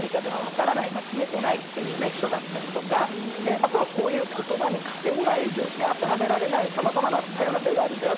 あとはこういう言葉にカテゴライズ当てはめられないさまざまな多様な性があるんだよってことでこの「＋」です。